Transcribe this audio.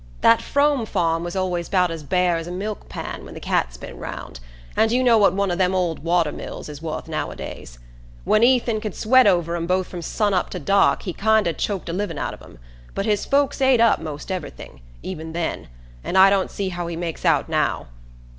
That Frome farm was always 'bout as bare's a milkpan when the cat's been round; and you know what one of them old water mills is wuth nowadays. When Ethan could sweat over 'em both from sunup to dark he kinder choked a living out of 'em; but his folks ate up most everything, even then, and I don't see how he makes out now.